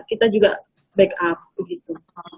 kita juga backup begitu